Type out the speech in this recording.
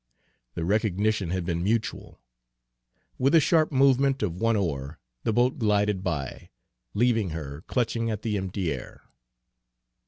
The recognition had been mutual. With a sharp movement of one oar the boat glided by, leaving her clutching at the empty air.